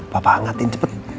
bapak angetin cepat